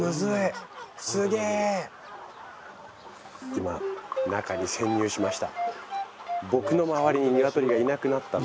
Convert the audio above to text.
今中に潜入しました。